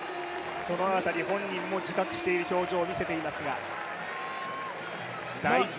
その辺り、本人も自覚している表情を見せています。